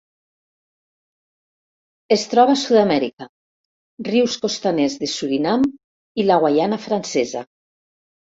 Es troba a Sud-amèrica: rius costaners de Surinam i la Guaiana Francesa.